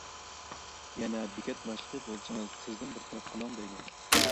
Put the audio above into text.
يەنە بېكەت باشلىقى بولسىڭىز تېزدىن بىر تەرەپ قىلىڭ دەيدۇ.